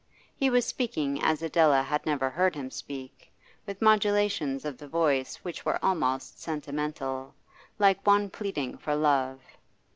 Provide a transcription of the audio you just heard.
He was speaking as Adela had never heard him speak, with modulations of the voice which were almost sentimental, like one pleading for love.